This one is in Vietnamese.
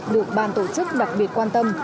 được ban tổ chức đặc biệt quan tâm